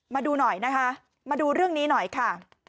มาดูหน่อยนะคะมาดูเรื่องนี้หน่อยค่ะ